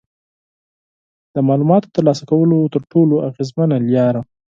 د معلوماتو ترلاسه کولو تر ټولو اغیزمنه لاره